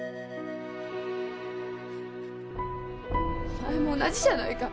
お前も同じじゃないか。